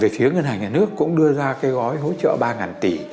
phía ngân hàng nhà nước cũng đưa ra cái gói hỗ trợ ba tỷ